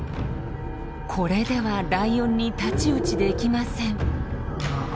これではライオンに太刀打ちできません。